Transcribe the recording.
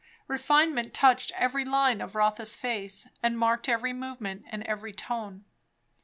Refinement touched every line of Rotha's face, and marked every movement and every tone.